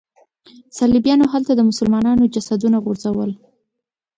صلیبیانو هلته د مسلمانانو جسدونه غورځول.